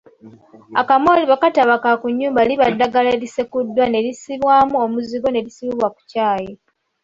Akamooli bwe kataba ka ku nnyumba liba ddagala erisekuddwa ne lissibwamu omuzigo ne lisibibwa mu kyayi.